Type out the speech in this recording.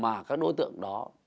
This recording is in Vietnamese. mà các đối tượng đó